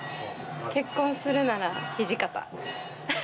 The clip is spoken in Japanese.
結婚するなら土方。